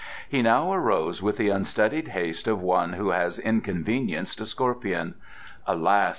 He now arose with the unstudied haste of one who has inconvenienced a scorpion. "Alas!"